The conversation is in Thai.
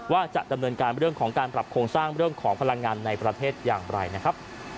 ว่าจะดำเนินการเรื่องของการปรับโครงสร้างเรื่องของพลังงานในประเทศอย่างไรนะครับ